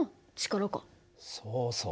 そうそう。